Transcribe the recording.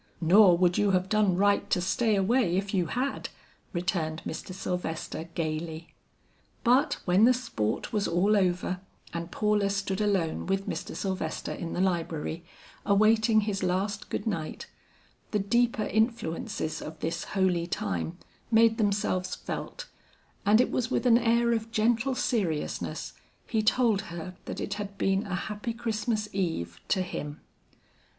"Nor would you have done right to stay away if you had," returned Mr. Sylvester gayly. But when the sport was all over, and Paula stood alone with Mr. Sylvester in the library, awaiting his last good night, the deeper influences of this holy time made themselves felt, and it was with an air of gentle seriousness, he told her that it had been a happy Christmas eve to him.